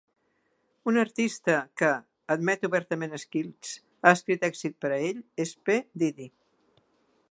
Un artista que admet obertament Skillz ha escrit èxits per a ell és P. Diddy.